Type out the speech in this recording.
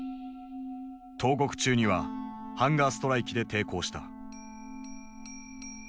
投獄中にはハンガーストライキで抵抗した。